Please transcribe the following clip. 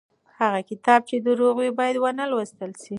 هغه کتاب چې دروغ وي بايد ونه لوستل شي.